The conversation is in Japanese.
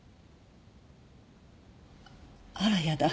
あらやだ。